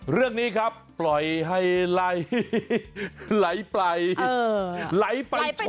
เรื่องนี้ครับปล่อยให้ไหลไปไหลไป